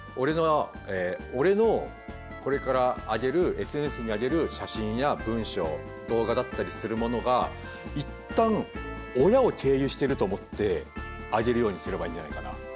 俺のこれからＳＮＳに上げる写真や文章動画だったりするものが一旦親を経由してると思って上げるようにすればいいんじゃないかな。